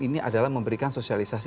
ini adalah memberikan sosialisasi